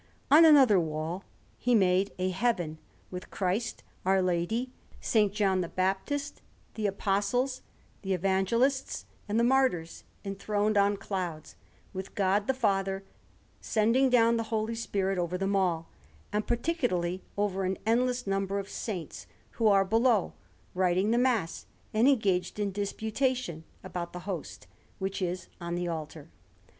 On another wall he made a Heaven, with Christ, Our Lady, S. John the Baptist, the Apostles, the Evangelists, and the Martyrs, enthroned on clouds, with God the Father sending down the Holy Spirit over them all, and particularly over an endless number of saints, who are below, writing the Mass, and engaged in disputation about the Host, which is on the altar.